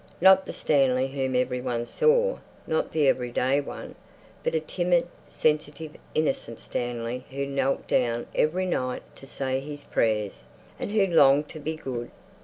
Not the Stanley whom every one saw, not the everyday one; but a timid, sensitive, innocent Stanley who knelt down every night to say his prayers, and who longed to be good.